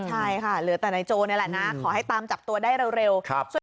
ใช่ค่ะเหลือแต่นายโจนี่แหละนะขอให้ตามจับตัวได้เร็ว